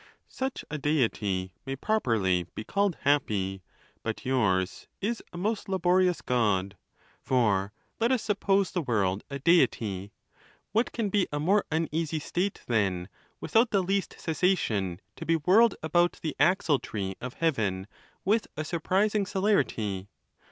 XX. Such a Deity may properly be called happy ; but yours is a most laborious God. For let us suppose the world a Deity — what can be a more uneasy state than, without the least cessation, to be whirled about the axle tree of heaven with a surprising celerity?